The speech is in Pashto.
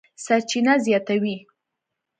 سرچینه زیاتوي